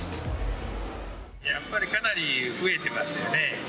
やっぱりかなり増えてますよね。